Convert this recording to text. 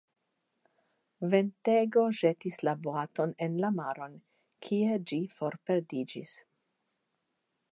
Ventego ĵetis la boaton en la maron, kie ĝi forperdiĝis.